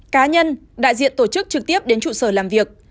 cá nhân đại diện tổ chức trực tiếp đến trụ sở làm việc